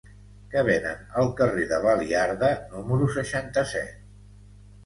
Què venen al carrer de Baliarda número seixanta-set?